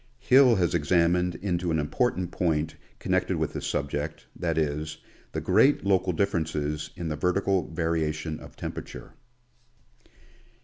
Hill has examined into an important point con nected with this subject, that is, the great local differences in the vertical variation of temperature.